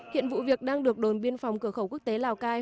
hiện vụ việc đang được đồn biên phòng cửa khẩu quốc tế lào cai